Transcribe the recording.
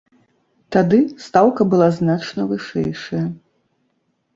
Тады стаўка была значна вышэйшая.